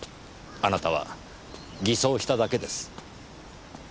あなたは偽装しただけです。